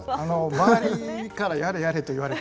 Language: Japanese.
周りから「やれやれ」と言われて。